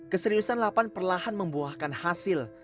keseriusan lapan perlahan membuahkan hasil